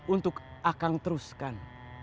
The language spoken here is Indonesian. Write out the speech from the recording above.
untuk akang teruskan